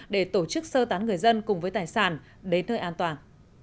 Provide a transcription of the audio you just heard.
để tổ chức sơ tán người dân cùng với tài sản đến nơi an toàn